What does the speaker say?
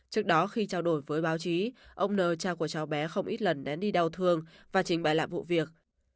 trước đó khi trao đổi với báo chí ông nờ trao của cháu bé không ít lần nén đi đau thương và trình bày lại vụ việc